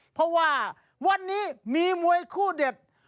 เพราะว่าวันนี้มีมวยคู่เด็ด